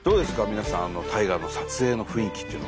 皆さん大河の撮影の雰囲気っていうのは。